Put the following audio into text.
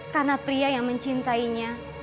karena pria yang mencintainya